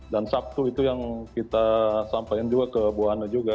dan sabtu itu yang kita sampein juga ke bu anna juga